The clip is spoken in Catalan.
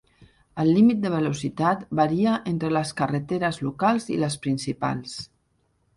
El límit de velocitat varia entre les carreteres locals i les principals.